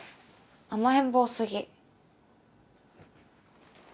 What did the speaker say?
甘えん坊すぎ。